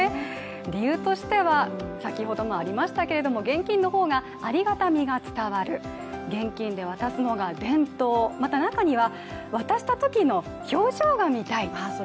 理由としては現金のほうがありがたみが伝わる現金で渡すのが伝統、また中には、渡したときの表情が見たい。